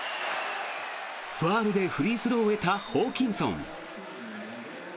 ファウルでフリースローを得たホーキンソン。